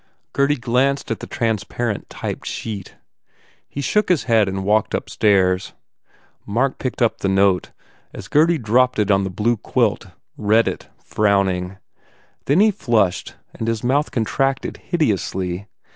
Gurdy glanced at the transparent typed sheet. He shook his head and walked up stairs. Mark picked uo the note as Gurdy dropped it on the blue quilt, read it frowning. Then he flushed and his mouth contracted hideously.